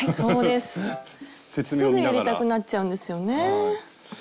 すぐやりたくなっちゃうんですよね。